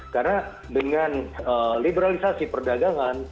karena dengan liberalisasi perdagangan